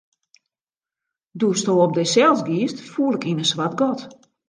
Doe'tsto op dysels giest, foel ik yn in swart gat.